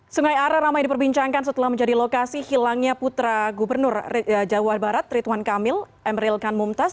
sungai are ramai diperbincangkan setelah menjadi lokasi hilangnya putra gubernur jawa barat rituan kamil emeril kan mumtaz